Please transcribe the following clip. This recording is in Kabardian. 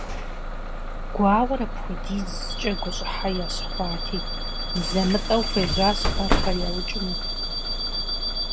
Гуауэр апхуэдизкӀэ гущӀыхьэ ящыхъуати, мызэ-мытӀэуи хуежьащ гъэрхэр яукӀыну.